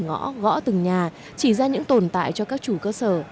ngõ gõ từng nhà chỉ ra những tồn tại cho các chủ cơ sở